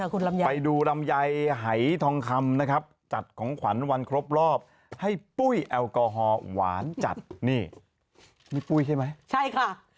คุณลำไยไปดูลำไยหายทองคำนะครับจัดของขวัญวันครบรอบให้ปุ้ยแอลกอฮอล์หวานจัดนี่นี่ปุ้ยใช่ไหมใช่ค่ะ